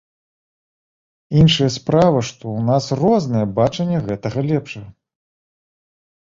Іншая справа, што ў нас рознае бачанне гэтага лепшага.